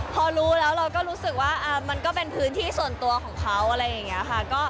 พอรู้แล้วเราก็รู้สึกว่ามันก็เป็นพื้นที่ส่วนตัวของเขา